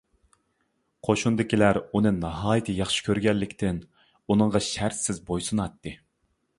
قوشۇندىكىلەر ئۇنى ناھايىتى ياخشى كۆرگەنلىكتىن، ئۇنىڭغا شەرتسىز بويسۇناتتى.